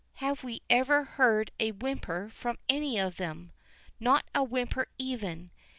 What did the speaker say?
Have we ever heard a whimper from any one of them? Not a whisper even.